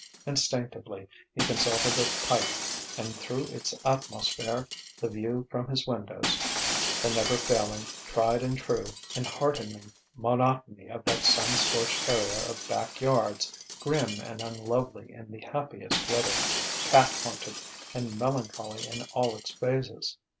Instinctively he consulted a pipe and, through its atmosphere, the view from his windows: the never failing, tried and true, enheartening monotony of that sun scorched area of back yards, grim and unlovely in the happiest weather, cat haunted and melancholy in all its phases....